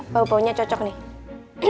bau baunya cocok nih